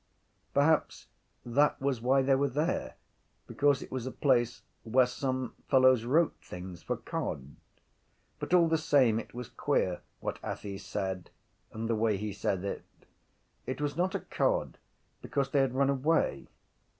_ Perhaps that was why they were there because it was a place where some fellows wrote things for cod. But all the same it was queer what Athy said and the way he said it. It was not a cod because they had run away.